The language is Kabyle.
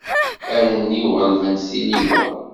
Allen-iw ɣelbent tiliwa.